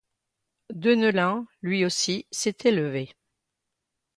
Deneulin, lui aussi, s'était levé.